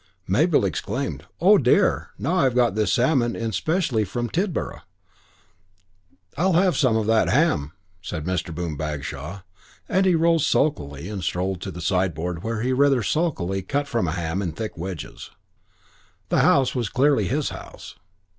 Mabel exclaimed, "Oh, dear! Now I got this salmon in specially from Tidborough." "I'll have some of that ham," said Mr. Boom Bagshaw; and he arose sulkily and strolled to the sideboard where he rather sulkily cut from a ham in thick wedges. The house was clearly his house.